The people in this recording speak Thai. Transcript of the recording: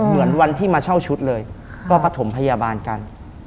เหมือนวันที่มาเช่าชุดเลยก็ประถมพยาบาลกัน